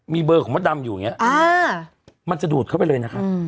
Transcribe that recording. มีเบอร์ของมดดำอยู่อย่างนี้มันจะดูดเข้าไปเลยนะคะ